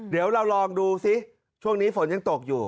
เดี๋ยวเราลองดูซิช่วงนี้ฝนยังตกอยู่